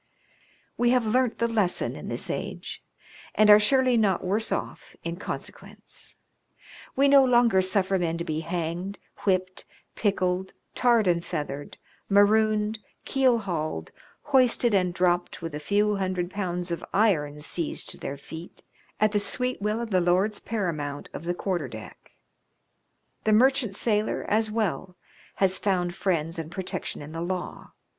We have learnt the lesson in this age, and are surely not worse off in consequence. We no longer suffer men to be hanged, whipped, pickled, tarred and feathered, marooned, keel hauled, hoisted and dropped with a few hundred pounds of iron seized to their feet, at the sweet will of the lords paramount of the quarter deck. The merchant sailor, as well, has found friends and protec tion in the law.